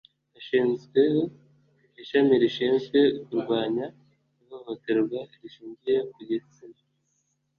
hashyizweho ishami rishinzwe kurwanya ihohoterwa rishingiye ku gitsina